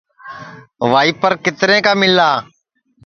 وائیپر کِترے کا مِلا